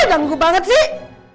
ih ganggu banget sih